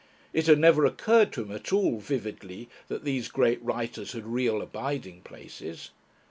It had never occurred to him at all vividly that these Great Writers had real abiding places.